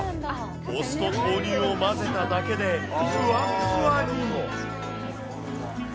お酢と豆乳を混ぜただけで、ふわっふわに。